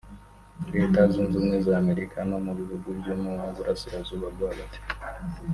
Leta Zunze Ubumwe za Amerika no mu bihugu byo mu burasirazuba bwo hagati